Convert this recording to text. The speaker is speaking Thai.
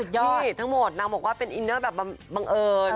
ย่อยทั้งหมดนางบอกว่าเป็นอินเนอร์แบบบังเอิญ